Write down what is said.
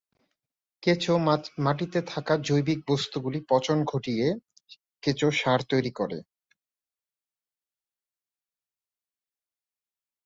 কেঁচো মাটিতে থাকা জৈবিক বস্তুগুলি পচন ঘটিয়ে কেঁচো সার তৈরী করে।